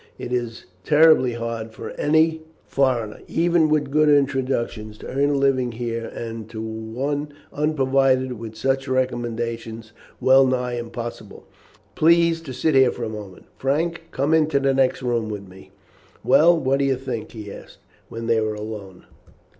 It is terribly hard for any foreigner, even with good introductions, to earn a living here, and to one unprovided with such recommendations well nigh impossible. Please to sit here for a moment. Frank, come into the next room with me." "Well, what do you think?" he asked when they were alone.